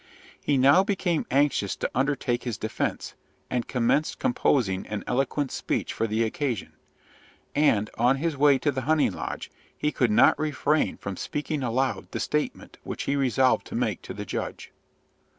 He now became anxious to undertake his defence, and commenced composing an eloquent speech for the occasion; and, on his way to the hunting lodge, he could not refrain from speaking aloud the statement which he resolved to make to the judge.